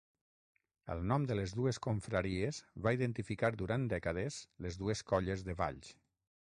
El nom de les dues confraries va identificar durant dècades les dues colles de Valls.